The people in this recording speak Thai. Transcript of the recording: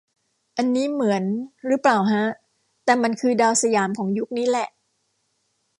อันนี้เหมือน รึเปล่าฮะ แต่มันคือดาวสยามของยุคนี้แหละ